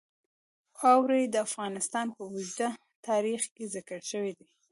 اوړي د افغانستان په اوږده تاریخ کې ذکر شوی دی.